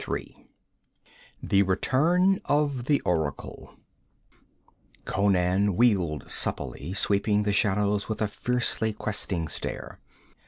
3 The Return of the Oracle Conan wheeled supplely, sweeping the shadows with a fiercely questing stare.